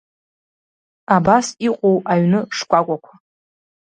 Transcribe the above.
Абас иҟоу аҩны шкәакәақәа…